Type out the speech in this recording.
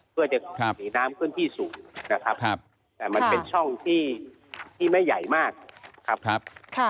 เพื่อจะหนีน้ำขึ้นที่สูงนะครับแต่มันเป็นช่องที่ไม่ใหญ่มากครับ